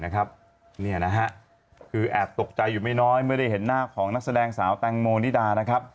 คือแอบตกใจอยู่ไม่น้อยเมื่อได้เห็นหน้าของนักแสดงสาวแตงโมนิดานะครับ